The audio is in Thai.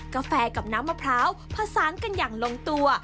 กาแฟกับน้ำมะพร้าวผสานกันอย่างลงตัว